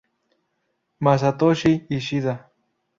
Masatoshi Ishida